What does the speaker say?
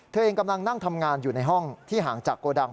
เธอเองกำลังนั่งทำงานอยู่ในห้องที่ห่างจากโกดัง